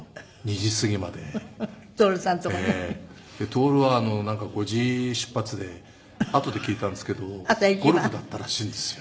徹はなんか５時出発であとで聞いたんですけどゴルフだったらしいんですよ。